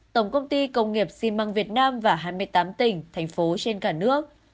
tổng công ty công nghiệp ximăng việt nam và hai mươi tám tỉnh thành phố trên cả nước